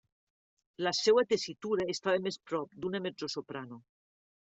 La seua tessitura estava més prop d'una mezzosoprano.